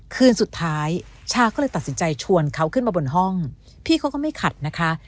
คืนสุดท้ายชาก็เลยตัดสินใจชวนเขาขึ้นมาบนห้องพี่เขาก็ไม่ขัดนะคะ